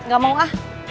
gak mau ah